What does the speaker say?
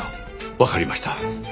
わかりました。